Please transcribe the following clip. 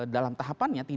dalam tahapan itu